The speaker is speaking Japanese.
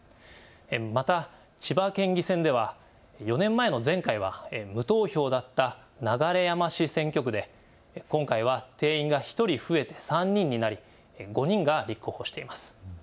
また千葉県議選では４年前の前回は無投票だった流山市選挙区で今回は定員が１人増えて３人になり５人が立候補しています。